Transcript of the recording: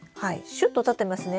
シュッと立ってますね。